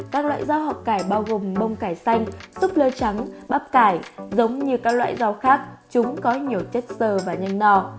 các loại rau họ cải bao gồm bông cải xanh súp lơ trắng bắp cải giống như các loại rau khác chúng có nhiều chất xơ và nhanh nò